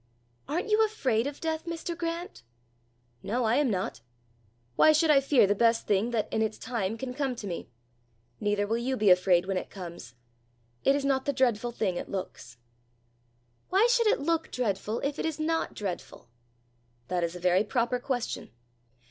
"Aren't you afraid of death, Mr. Grant?" "No, I am not. Why should I fear the best thing that, in its time, can come to me? Neither will you be afraid when it comes. It is not the dreadful thing it looks." "Why should it look dreadful if it is not dreadful?" "That is a very proper question.